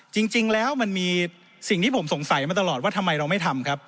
จริงแล้วมันมีสิ่งที่ผมสงสัยมาตลอดว่าทำไมเราไม่ทำครับ